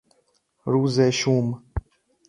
روز شوم